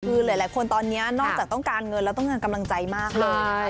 คือหลายคนตอนนี้นอกจากต้องการเงินแล้วต้องการกำลังใจมากเลย